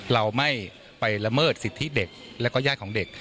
เราไม่ไปละเมิดสิทธิเด็กและก็ญาติของเด็ก